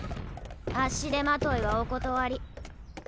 足手まといはお断り。